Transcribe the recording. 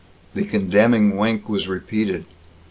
The condemning wink was repeated.